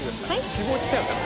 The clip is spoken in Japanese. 絞っちゃうから。